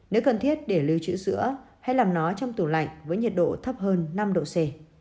nếu cần thiết để lưu trữ sữa hay làm nó trong tủ lạnh với nhiệt độ thấp hơn năm độ c